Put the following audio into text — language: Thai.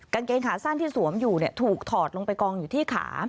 กางเกงขาสั้นที่สวมอยู่ถูกถอดลงไปกองอยู่ที่ขา